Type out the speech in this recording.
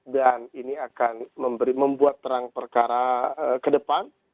dan ini akan membuat terang perkara ke depan